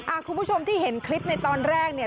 คุณผู้ชมที่เห็นคลิปในตอนแรกเนี่ย